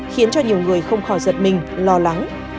khiến cho nhiều người không khỏi giật mình lo lắng